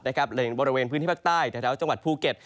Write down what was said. ในบริเวณพื้นที่ภาคใต้แถวจังหวัดภูเก็ต